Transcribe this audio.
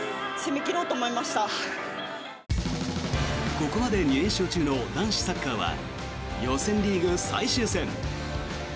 ここまで２連勝中の男子サッカーは予選リーグ最終戦。